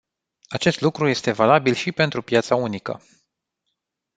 Acest lucru este valabil și pentru piața unică.